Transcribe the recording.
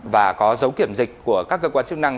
và có dấu kiểm dịch của các cơ quan chức năng